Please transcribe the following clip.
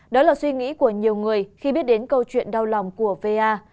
đó là suy nghĩ của nhiều người khi biết đến câu chuyện đau lòng của va